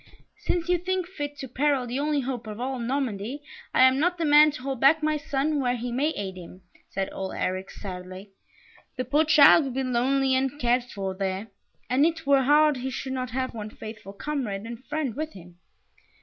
"Since you think fit to peril the only hope of all Normandy, I am not the man to hold back my son where he may aid him," said old Eric, sadly. "The poor child will be lonely and uncared for there, and it were hard he should not have one faithful comrade and friend with him."